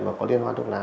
mà có liên hoan thuốc lá